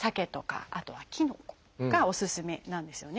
あとはきのこがおすすめなんですよね。